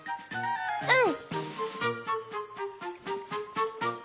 うん！